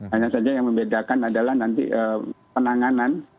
hanya saja yang membedakan adalah nanti penanganan